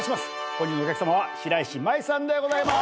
本日のお客さまは白石麻衣さんでございます。